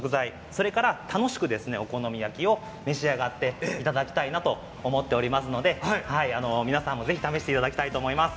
それから楽しくお好み焼きを召し上がっていただきたいなと思っておりますので皆さんもぜひ試していただきたいと思います。